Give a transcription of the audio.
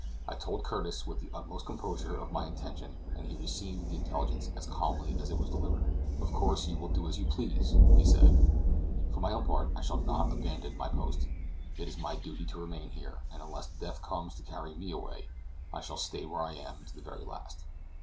I told Curtis, with the utmost composure, of my intention, and he received the intelligence as calmly as it was delivered. "Of course you will do as you please," he said; "for my own part, I shall not abandon my post. It is my duty to remain here; and unless death comes to carry me away, I shall stay where I am to the very last."